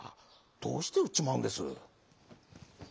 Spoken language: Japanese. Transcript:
どうしてうっちまうんです？」。